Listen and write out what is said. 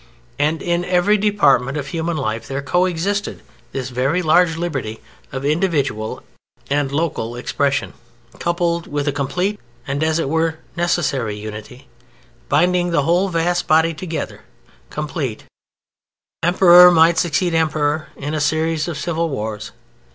And in every department of human life there co existed this very large liberty of individual and local expression, coupled with a complete, and, as it were, necessary unity, binding the whole vast body together. Emperor might succeed Emperor, in a series of civil wars.